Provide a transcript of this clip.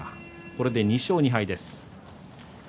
これで２勝２敗です。